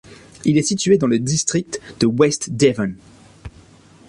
Il est situé dans le district de West Devon.